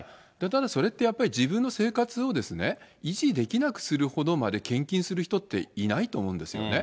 ただそれってやっぱり自分の生活を維持できなくするほどまで献金する人っていないと思うんですよね。